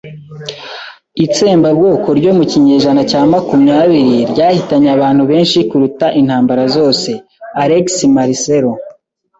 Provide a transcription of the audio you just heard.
Itsembabwoko ryo mu kinyejana cya makumyabiri ryahitanye abantu benshi kuruta intambara zose. (alexmarcelo)